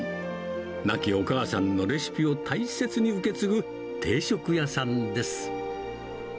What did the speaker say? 亡きお母さんのレシピを大切に受け継ぐ定食屋さんです。